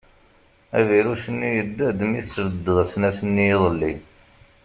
Avrius-nni yedda-d mi tesbeddeḍ asnas-nni iḍelli.